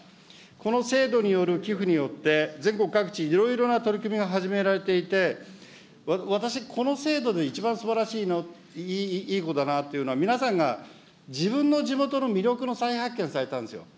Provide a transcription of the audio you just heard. この制度による寄付によって、全国各地、いろいろな取り組みが始められていて、私、この制度で一番すばらしい、いいことだなというのは皆さんが自分の地元の魅力の再発見をされたんですよ。